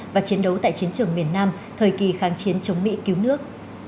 và chiến đấu tại chiến trường miền nam thời kỳ kháng chiến chống mỹ cứu nước